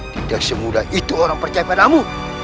tidak semudah itu orang percaya padamu